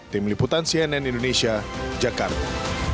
tim liputan cnn indonesia jakarta